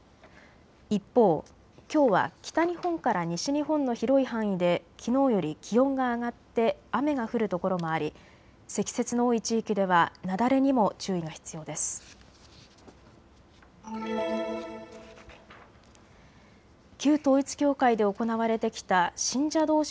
一方きょうは北日本から西日本の広い範囲できのうより気温が上がって雨が降るところもあり、積雪の多い地域では雪崩にも注意が必要です。